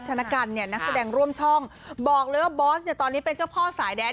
ชนะกันเนี่ยนักแสดงร่วมช่องบอกเลยว่าบอสเนี่ยตอนนี้เป็นเจ้าพ่อสายแดน